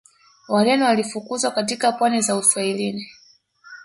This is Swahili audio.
Wareno walifukuzwa katika pwani za Uswahilini